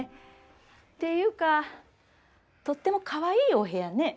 っていうかとってもかわいいお部屋ね。